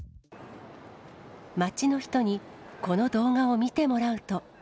街の人にこの動画を見てもらうと。